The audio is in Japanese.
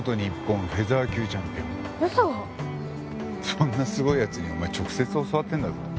そんなすごい奴にお前直接教わってるんだぞ。